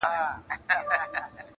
له کوچۍ پېغلي سره نه ځي د کېږدۍ سندري-